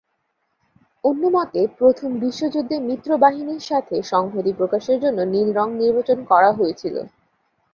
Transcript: অন্যমতে প্রথম বিশ্বযুদ্ধে মিত্রবাহিনীর সাথে সংহতি প্রকাশের জন্য নীল রঙ নির্বাচন করা হয়েছিল।